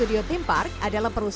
ada tema yang berlangsung